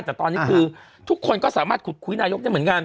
แต่ตอนนี้คือทุกคนก็สามารถขุดคุยนายกได้เหมือนกัน